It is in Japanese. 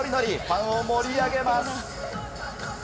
ファンを盛り上げます。